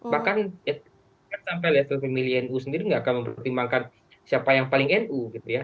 bahkan sampai level pemilih nu sendiri tidak akan mempertimbangkan siapa yang paling nu